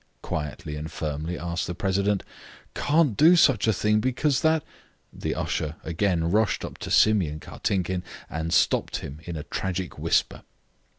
quietly and firmly asked the president. "Can't do such a thing, because that " The usher again rushed up to Simeon Kartinkin, and stopped him in a tragic whisper.